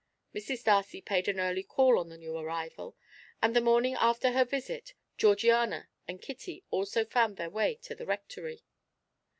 Mrs. Darcy paid an early call on the new arrival, and the morning after her visit Georgiana and Kitty also found their way to the Rectory.